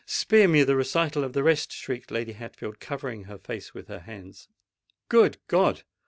Spare me the recital of the rest!" shrieked Lady Hatfield, covering her face with her hands. "Good God!